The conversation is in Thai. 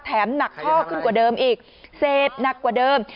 หนักข้อขึ้นกว่าเดิมอีกเสพหนักกว่าเดิม